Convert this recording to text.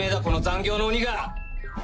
この残業の鬼が！